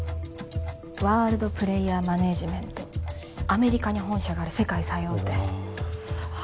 ワールドプレイヤーマネージメントアメリカに本社がある世界最大手わあ